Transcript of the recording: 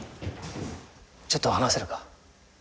ちょっと話せるか？